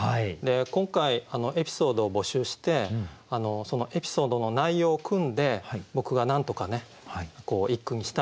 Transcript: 今回エピソードを募集してそのエピソードの内容をくんで僕が何とか一句にしたいなと思ってるんです。